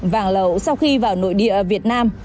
vàng lậu sau khi vào nội địa việt nam